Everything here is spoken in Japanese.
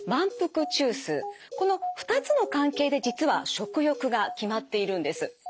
この２つの関係で実は食欲が決まっているんです。